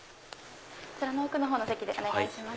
こちらの奥の席でお願いします。